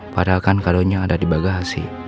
padahal kan kalonya ada di bagah sih